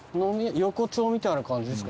横丁みたいな感じですかね。